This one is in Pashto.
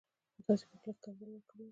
خو تاسي په خوله کي ښکنځل ورکړي و